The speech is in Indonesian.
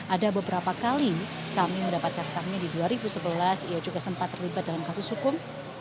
ada beberapa kali kami mendapatkan kami di dua ribu sebelas ia juga sempat terlibat dalam kasus hukum